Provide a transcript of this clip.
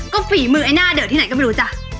ก็ฝีมือไอ้หน้าเดอะที่ไหนก็ไม่รู้จ้ะ